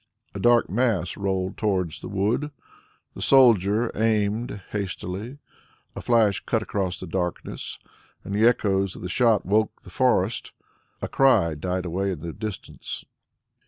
A dark mass rolled towards the wood. The soldier aimed hastily, a flash cut through the darkness, and the echoes of the shot woke the forest; a cry died away in the distance.